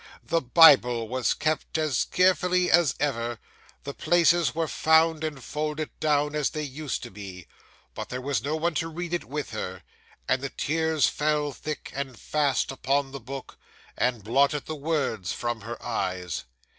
The Bible was kept as carefully as ever, the places were found and folded down as they used to be: but there was no one to read it with her; and the tears fell thick and fast upon the book, and blotted the words from her eyes.